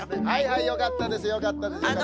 はいはいよかったですよかったです。